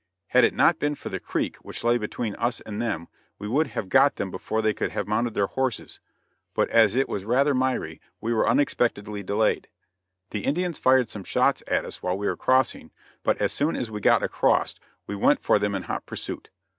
Had it not been for the creek, which lay between us and them, we would have got them before they could have mounted their horses; but as it was rather miry, we were unexpectedly delayed. The Indians fired some shots at us while we were crossing, but as soon as we got across we went for them in hot pursuit.